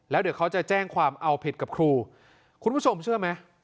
แล้วเดี๋ยวเขาจะแจ้งความเอาผิดกับครูคุณผู้ชมเชื่อไหม